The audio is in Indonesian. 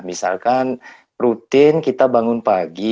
misalkan rutin kita bangun pagi